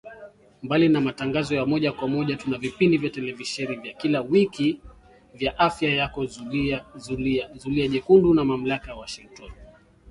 Mbali na matangazo ya moja kwa moja tuna vipindi vya televisheni vya kila wiki vya Afya Yako, Zulia Jekundu na mamlaka ya Washingoton